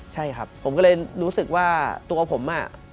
ใช่ครับผมก็เลยรู้สึกว่าตัวผมอ่ะ